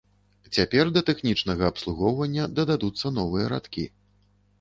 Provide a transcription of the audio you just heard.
Цяпер да тэхнічнага абслугоўвання дададуцца новыя радкі.